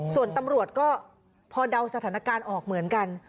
ส่วนตำรวจก็พอเดาสถานการณ์ออกเหมือนกัน